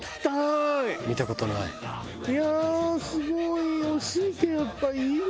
いやあすごい。